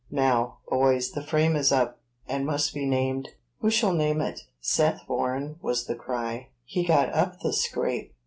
"Now, boys, the frame is up, and must be named. Who shall name it?" "Seth Warren," was the cry; "he got up the scrape."